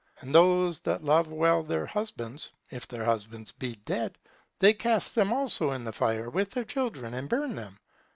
And those that love well their husbands, if their husbands be dead, they cast them also in the fire with their children, and burn them.